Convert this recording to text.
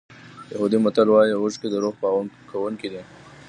یهودي متل وایي اوښکې د روح پاکوونکي دي.